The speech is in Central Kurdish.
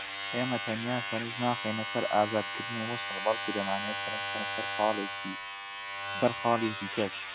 ئێمە تەنیا سەرنج ناخەینە سەر ئازادکردنی موسڵ بەڵکو دەمانەوێت سەرنج بخەینە سەر خاڵی دیکەش